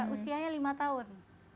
usianya lima tahun